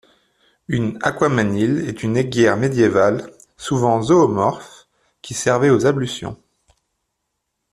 Un aquamanile est une aiguière médiévale, souvent zoomorphe, qui servait aux ablutions.